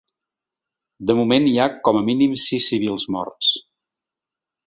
De moment, hi ha com a mínim sis civils morts.